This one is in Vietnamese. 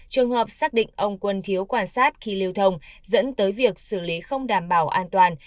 trường hợp xác định ông quân thiếu quan sát khi lưu thông dẫn tới việc xử lý không đảm bảo an toàn